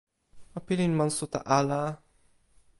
o pilin monsuta ala.